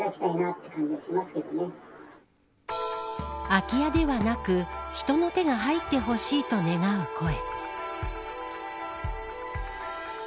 空き家ではなく人の手が入ってほしいと願う声。